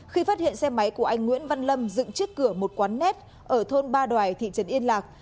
khi phát hiện xe máy của anh nguyễn văn lâm dựng trước cửa một quán net ở thôn ba đoài thị trấn yên lạc